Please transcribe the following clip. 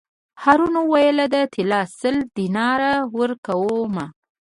هارون وویل: د طلا سل دیناره ورکووم.